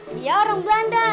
dia orang belanda